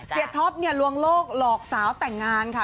ท็อปเนี่ยลวงโลกหลอกสาวแต่งงานค่ะ